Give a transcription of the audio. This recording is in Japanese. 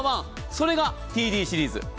それがＴＤシリーズ。